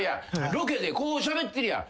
ロケでこうしゃべってるやん。